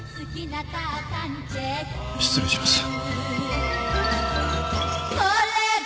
失礼します。